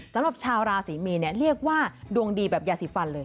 สำหรับชาวราศรีมีนเรียกว่าดวงดีแบบยาสีฟันเลย